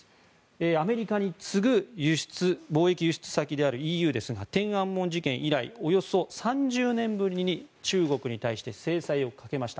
アメリカに次ぐ貿易輸出先であるＥＵですが天安門事件以来およそ３０年ぶりに中国に対して制裁をかけました。